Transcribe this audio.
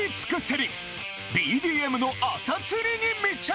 ＢＤＭの朝釣りに密着！